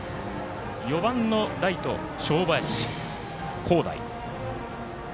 ４番のライト、正林輝大。